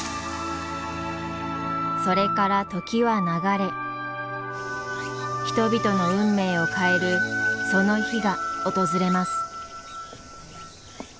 それから時は流れ人々の運命を変えるその日が訪れます。